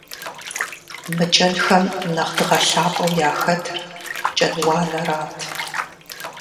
Мы кӀэнхэм нэхъ дгъэлъапӀэу яхэтыр «кӀэнуанэрат».